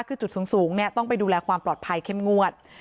คือจุดสูงต้องไปดูแลความปลอดภัยเข้มงวด